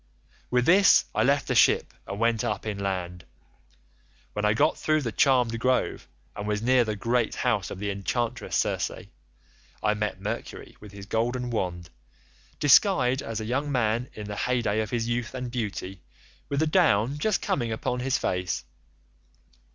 "With this I left the ship and went up inland. When I got through the charmed grove, and was near the great house of the enchantress Circe, I met Mercury with his golden wand, disguised as a young man in the hey day of his youth and beauty with the down just coming upon his face.